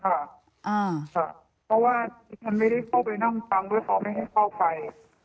เพราะว่าดิฉันไม่ได้เข้าไปนั่งฟังด้วยเขาไม่ให้เข้าไป